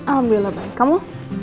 alhamdulillah baik kamu